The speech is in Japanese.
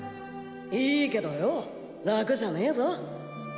いいけどよ楽じゃねえぞ。